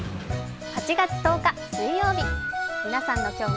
８月１０日水曜日。